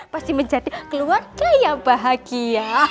pasti menjadi keluarga yang bahagia